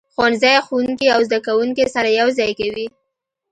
ښوونځی ښوونکي او زده کوونکي سره یو ځای کوي.